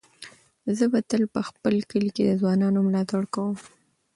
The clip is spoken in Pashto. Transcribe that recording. زه به تل په خپل کلي کې د ځوانانو ملاتړ کوم.